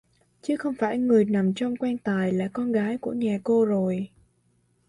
chứ không người nằm trong quan tài là con gái của nhà cô rồi